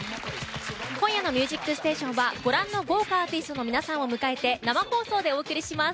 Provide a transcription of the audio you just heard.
今夜の「ミュージックステーション」はご覧の豪華アーティストの皆さんを迎えて生放送でお送りします。